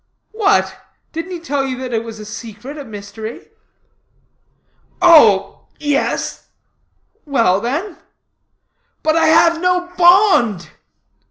"What! Didn't he tell you that it was a secret, a mystery?" "Oh yes." "Well, then?" "But I have no bond."